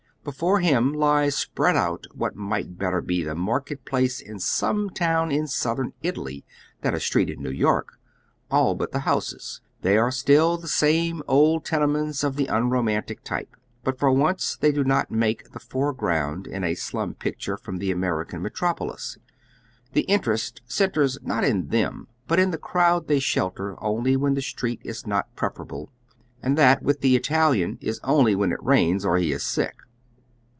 Before him lies spread out what might better be the market place in some town in Southern Italy than a street in New York — all but the _.v.v ^y. THE BEND. 57 houses; they are still the same old tenements of the un romantic type. But for ouee they do not make the fore ground in a slum picture from the American metropolis. The interest centres not in them, but in the crowd they ehelter only when the street is not preferable, and that with the Italiaa is only when it rains or he is sick.